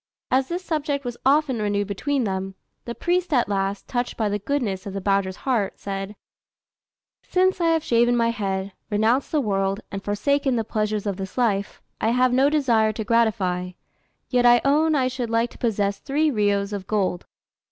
As this subject was often renewed between them, the priest at last, touched by the goodness of the badger's heart, said, "Since I have shaven my head, renounced the world, and forsaken the pleasures of this life, I have no desire to gratify, yet I own I should like to possess three riyos in gold.